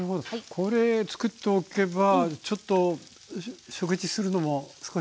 これつくっておけばちょっと食事するのも少し楽になっちゃう。